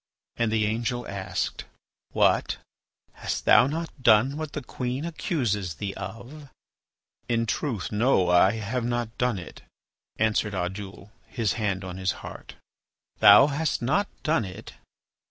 And the angel asked: "What? Hast thou not done what the queen accuses thee of?" "In truth no, I have not done it," answered Oddoul, his hand on his heart. "Thou hast not done it?"